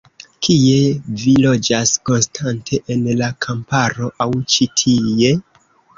Kie vi loĝas konstante, en la kamparo aŭ ĉi tie?